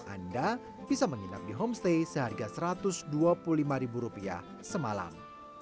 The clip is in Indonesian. anda bisa menginap di homestay seharga rp satu ratus dua puluh lima semalam